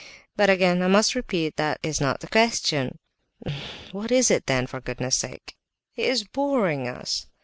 But, again, I must repeat, that is not the question." "What is it then, for goodness' sake?" "He is boring us!"